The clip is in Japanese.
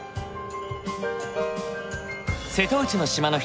瀬戸内の島の一つ